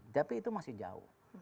tapi itu masih jauh